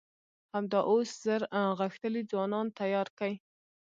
همدا اوس زر غښتلي ځوانان تيار کئ!